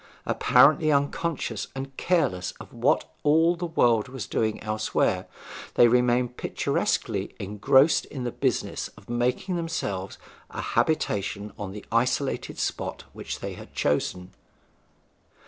Apparently unconscious and careless of what all the world was doing elsewhere, they remained picturesquely engrossed in the business of making themselves a habitation on the isolated spot which they had chosen.